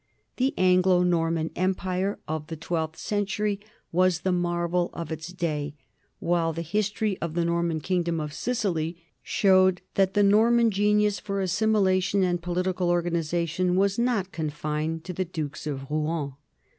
The Anglo Norman empire of the twelfth century was the marvel of its day, while the history of the Norman kingdom of Sic ily showed that the Norman genius for assimilation and political organization was not confined to the dukes of Rouen.